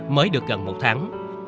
mới được gần một tháng